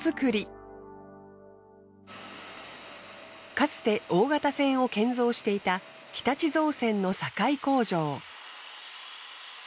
かつて大型船を建造していた日立造船の堺工場。